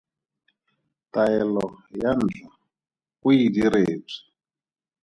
Taelo ya ntlha o e diretswe.